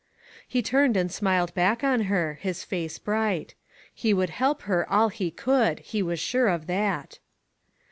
He turned and smiled back on her, his face bright. He would help her all he could — he was sure of that.